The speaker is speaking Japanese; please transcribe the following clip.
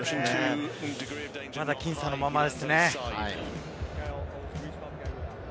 まだ僅差のままですね。